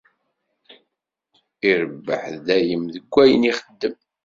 Irebbeḥ dayem deg wayen ixeddem.